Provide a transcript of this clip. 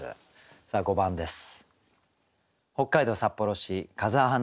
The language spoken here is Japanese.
さあ５番です。